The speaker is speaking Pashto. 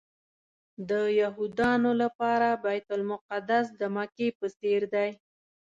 د یهودانو لپاره بیت المقدس د مکې په څېر دی.